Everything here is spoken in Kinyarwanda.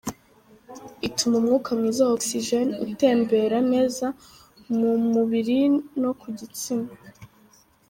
Ituma umwuka mwiza wa oxygen utembera neza mu mubiri no ku gitsina.